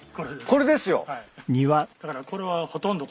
これですよ。